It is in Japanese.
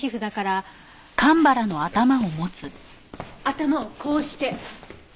頭をこうして。